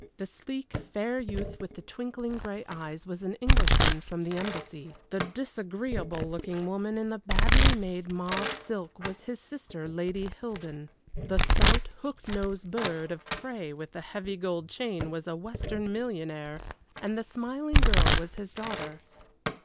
The sleek, fair youth with the twinkling gray eyes was an Englishman from the Embassy. The disagreeable looking woman in the badly made mauve silk was his sister, Lady Hildon. The stout, hook nosed bird of prey with the heavy gold chain was a Western millionaire, and the smiling girl was his daughter.